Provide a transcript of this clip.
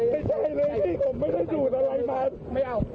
ไม่ใช่เลยพี่ผมไม่ได้สูดอะไรมา